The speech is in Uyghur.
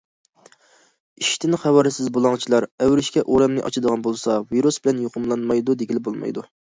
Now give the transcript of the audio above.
ئىشتىن خەۋەرسىز بۇلاڭچىلار ئەۋرىشكە ئورامىنى ئاچىدىغان بولسا، ۋىرۇس بىلەن يۇقۇملانمايدۇ دېگىلى بولمايدۇ.